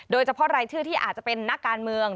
โดยเฉพาะรายชื่อที่อาจจะเป็นนักการเมือง